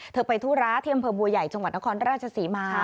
เธอไปธุระเที่ยมเผอร์บัวใหญ่จังหวัดนครราชสีมา